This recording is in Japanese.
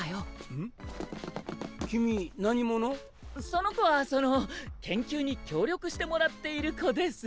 その子はその研究に協力してもらっている子です。